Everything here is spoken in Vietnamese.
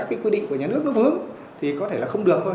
có khi là các quy định của nhà nước nó vướng thì có thể là không được thôi